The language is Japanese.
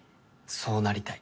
そうなりたい。